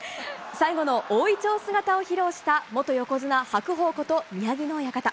最後に大いちょうを披露した元横綱・白鵬こと宮城野親方。